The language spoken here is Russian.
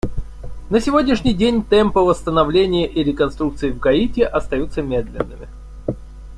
На сегодняшний день темпы восстановления и реконструкции в Гаити остаются медленными.